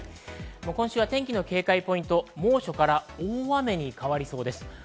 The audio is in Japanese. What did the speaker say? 今週は天気の警戒ポイント、猛暑から大雨に変わりそうです。